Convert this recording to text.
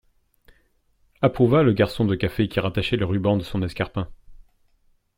Approuva le garçon de café qui rattachait le ruban de son escarpin.